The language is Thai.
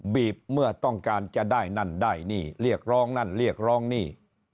บีบเมื่อต้องการจะได้นั่นได้นี่เรียกร้องนั่นเรียกร้องนี่